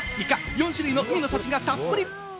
４種類の海の幸がたっぷり！